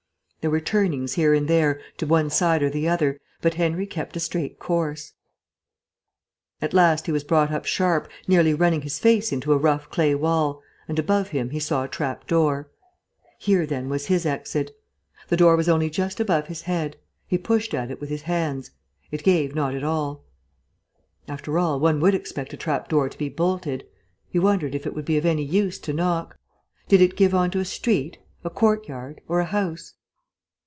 There were turnings here and there, to one side or the other, but Henry kept a straight course. At last he was brought up sharp, nearly running his face into a rough clay wall, and above him he saw a trap door. Here, then, was his exit. The door was only just above his head; he pushed at it with his hands; it gave not at all. After all, one would expect a trap door to be bolted. He wondered if it would be of any use to knock. Did it give on to a street, a courtyard, or a house?